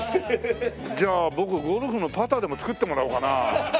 じゃあ僕ゴルフのパターでも作ってもらおうかな。